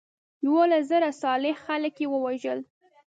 یولس زره صالح خلک یې وژل.